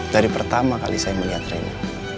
dari pertama kali saya melihat rena